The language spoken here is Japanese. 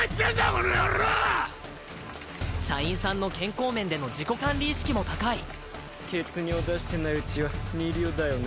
このやろ社員さんの健康面での自己管理意識も高い血尿出してないうちは二流だよね